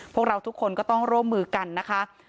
พวกเราทุกคนก็ต้องร่วมมือกันนะคะ